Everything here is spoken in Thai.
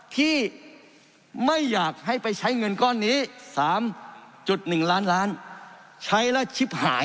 ที่ไม่อยากให้ไปใช้เงินก้อนนี้๓๑ล้านล้านใช้แล้วชิบหาย